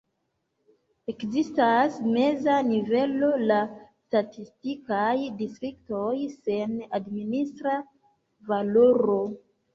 Ekzistas meza nivelo, la statistikaj distriktoj, sen administra valoro.